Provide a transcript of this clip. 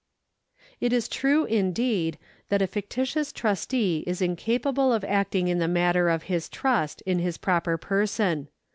It is true, indeed, that a fictitious trustee is incapable of acting in the matter of his trust in his proper person.